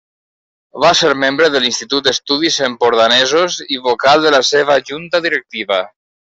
Va ser membre de l'Institut d'Estudis Empordanesos i vocal de la seva Junta Directiva.